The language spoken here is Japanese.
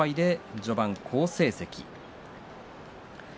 序盤、好成績です。